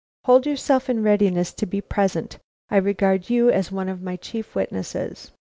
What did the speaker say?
Hold yourself in readiness to be present. I regard you as one of my chief witnesses."